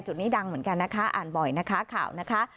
จุดนี้ดังเหมือนกันนะคะอ่านบ่อยนะคะข่าวนะคะ